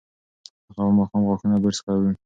هغه به ماښام غاښونه برس کوي.